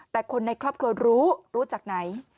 แต่คนในครอบครัวรู้รู้จักไหน